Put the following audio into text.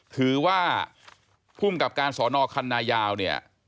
ถือว่าภูมิกับการสอนอคันนายาวเนี่ย